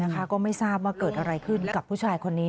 ก็ไม่ทราบว่าเกิดอะไรขึ้นกับผู้ชายคนนี้